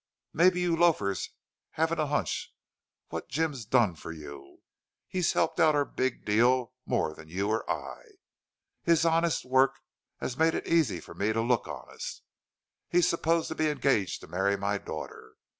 Maybe you loafers haven't a hunch what Jim's done for you. He's helped our big deal more than you or I. His honest work has made it easy for me to look honest. He's supposed to be engaged to marry my daughter.